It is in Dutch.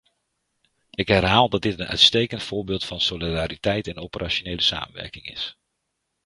Ik herhaal dat dit een uitstekend voorbeeld van solidariteit en operationele samenwerking is.